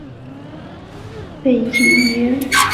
卡祖尔莱贝济耶。